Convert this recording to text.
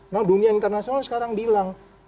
nah dunia internasional sekarang bilang